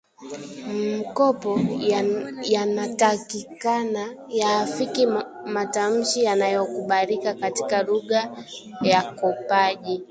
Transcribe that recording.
mkopo yanatakikana yaafiki matamshi yanayokubalika katika lugha kopaji